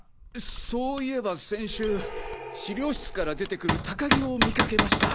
そういえば先週資料室から出て来る高木を見掛けました。